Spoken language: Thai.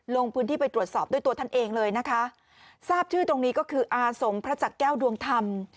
ลงพื้นที่ไปตรวจสอบด้วยตัวท่านเองเลยนะคะทราบชื่อตรงนี้ก็คืออาสมพระจักรแก้วดวงธรรม